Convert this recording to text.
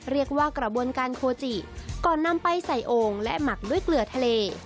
เรียกว่ากระบวนการโคจิก่อนนำไปใส่โอ่งและหมักด้วยเกลือทะเล